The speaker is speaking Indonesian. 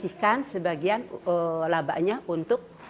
dia menawarkan program bantuan